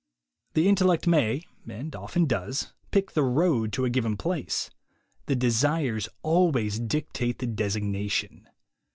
The intellect may, and often docs, pick the road to a given place; the desires always dictate the designation.